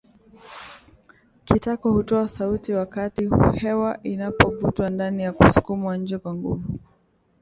Kitako hutoa sauti wakati hewa inapovutwa ndani na kusukumwa nje kwa nguvu